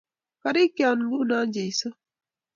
Karikyion, nguno, jesu